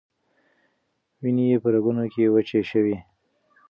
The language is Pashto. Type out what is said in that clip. وینې یې په رګونو کې وچې شوې.